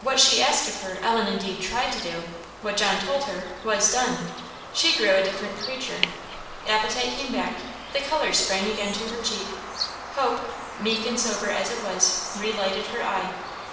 What she asked of her, Ellen indeed tried to do; what John told her, was done. She grew a different creature. Appetite came back; the colour sprang again to her cheek; hope meek and sober as it was re lighted her eye.